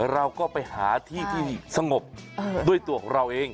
เราก็ไปหาที่ที่สงบด้วยตัวของเราเอง